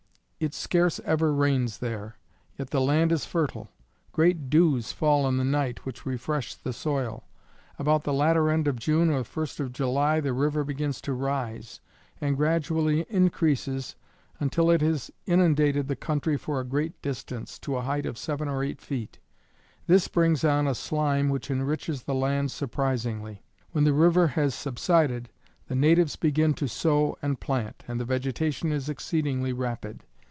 It scarce ever rains there, yet the land is fertile; great dews fall in the night which refresh the soil. About the latter end of June or first of July, the river begins to rise, and gradually increases until it has inundated the country for a great distance, to a height of seven or eight feet. This brings on a slime which enriches the land surprisingly. When the river has subsided, the natives begin to sow and plant, and the vegetation is exceedingly rapid.